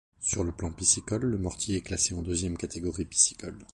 Sur le plan piscicole, le Mortier est classé en deuxième catégorie piscicole.